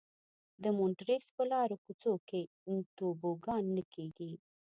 د مونټریکس په لارو کوڅو کې توبوګان نه کېږي.